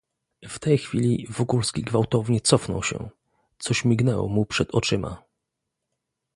"W tej chwili Wokulski gwałtownie cofnął się; coś mignęło mu przed oczyma."